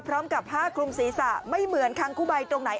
พร้อมกับผ้าคลุมศีรษะไม่เหมือนคังคู่ใบตรงไหน